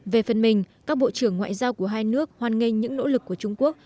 về phần mình các bộ trưởng ngoại giao của hai nước hoan nghênh những nỗ lực của trung quốc